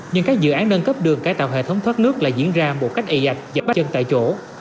nhưng các dự án nâng cấp đường cải tạo hệ thống thoát nước là diễn ra một cách ị dạch và bắt chân tại chỗ